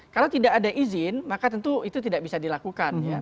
kalau tidak ada izin maka tentu itu tidak bisa dilakukan